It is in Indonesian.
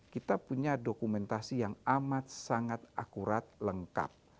kita punya dokumentasi yang amat sangat akurat lengkap